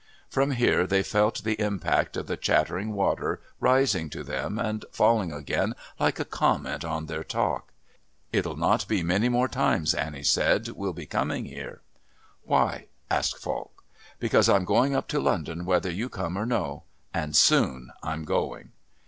From here they felt the impact of the chattering water rising to them and falling again like a comment on their talk. "It'll not be many more times," Annie said, "we'll be coming here." "Why?" Falk asked. "Because I'm going up to London whether you come or no and soon I'm going."